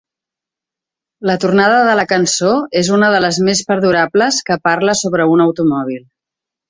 La tornada de la cançó és una de les més perdurables que parla sobre un automòbil.